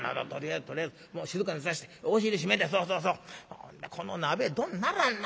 ほんでこの鍋どんならんな